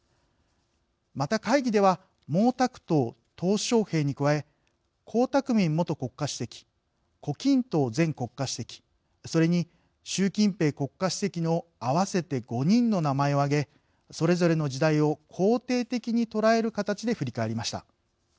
また会議では毛沢東、とう小平に加え江沢民元国家主席胡錦涛前国家主席それに習近平国家主席の合わせて５人の名前を挙げそれぞれの時代を肯定的に捉える形で振り返りました。